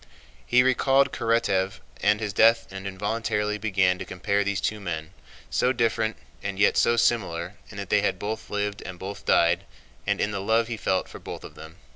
He recalled Karatáev and his death and involuntarily began to compare these two men, so different, and yet so similar in that they had both lived and both died and in the love he felt for both of them.